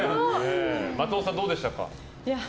松本さん、どうでしたか？